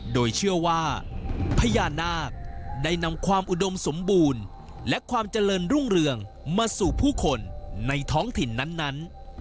โดยเชื่อว่าพญานาคได้นำความอุดมสมบูรณ์และความเจริญรุ่งเรืองมาสู่ผู้คนในท้องถิ่นนั้น